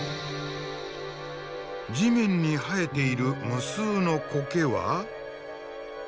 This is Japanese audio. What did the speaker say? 地面に生えている無数の苔は。